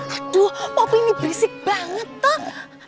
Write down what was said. aduh poppy ini berisik banget tom